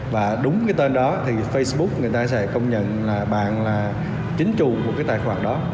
và đúng cái tên đó thì facebook người ta sẽ công nhận là bạn là chính chủ một cái tài khoản đó